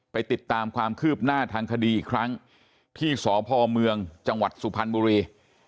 ติดตามความคืบหน้าทางคดีอีกครั้งที่สพเมืองจังหวัดสุพรรณบุรี